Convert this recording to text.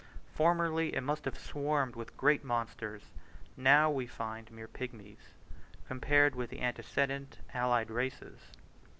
Formerly it must have swarmed with great monsters: now we find mere pigmies, compared with the antecedent, allied races.